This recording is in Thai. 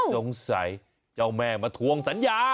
สงสัยเจ้าแม่มาทวงสัญญา